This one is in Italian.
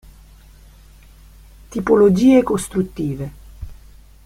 Tipologie costruttive.